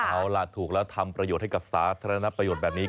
เอาล่ะถูกแล้วทำประโยชน์ให้กับสาธารณประโยชน์แบบนี้